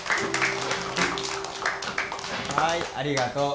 はいありがとう。